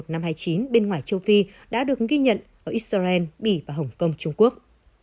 năm hai nghìn chín bên ngoài châu phi đã được ghi nhận ở israel bỉ và hồng kông trung quốc